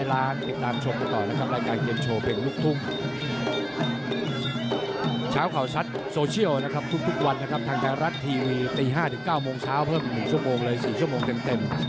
แล้วชัดโซเชียลทุกวันนะครับทางไทยรัฐทีวี๕๙โมงเช้าเพิ่ม๑ชั่วโมงเลย๔ชั่วโมงเต็ม